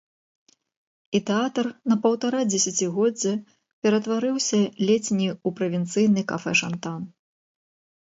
І тэатр на паўтара дзесяцігоддзя ператварыўся ледзь не ў правінцыйны кафэшантан.